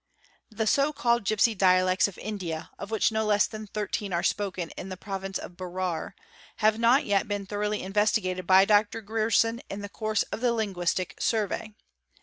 The so called gipsy dialects of India, of which no less than thirteen are spoken in the province of Berar, | have not yet been thoroughly investigated by Dr. Grierson in the course of the Linguistic Survey.